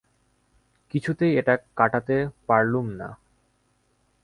কিছুতেই এটা কাটাতে পারলুম না।